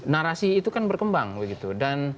narasi itu kan berkembang begitu dan